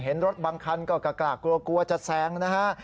เห็นรถบางคันก็กล้ากลัวกลัวจะแซงนะฮะ